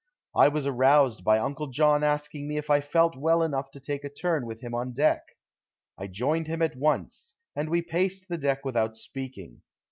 I was aroused by Uncle John asking me if I felt well enough to take a turn with him on deck. I joined him at once, and we paced the deck without speaking.